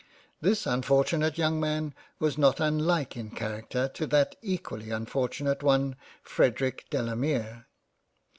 This unfortunate young Man was not unlike in character to that equally unfortunate one Frederic Delamere.